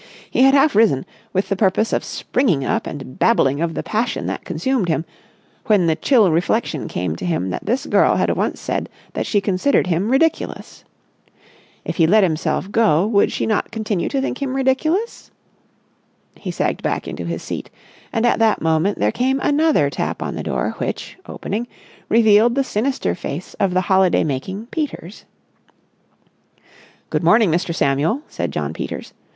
He had half risen, with the purpose of springing up and babbling of the passion that consumed him, when the chill reflection came to him that this girl had once said that she considered him ridiculous. If he let himself go, would she not continue to think him ridiculous? He sagged back into his seat; and at that moment there came another tap on the door which, opening, revealed the sinister face of the holiday making Peters. "Good morning, Mr. Samuel," said Jno. Peters.